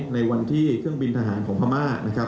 ในวันที่เครื่องบินทหารของพม่า